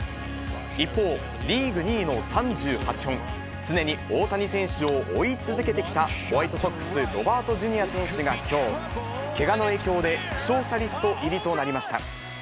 一方、リーグ２位の３８本、常に大谷選手を追い続けてきたホワイトソックス、ロバートＪｒ．選手がきょう、けがの影響で負傷者リスト入りとなりました。